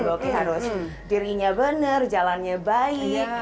bapak ibu harus dirinya benar jalannya baik gitu